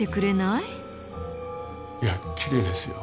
いやきれいですよ。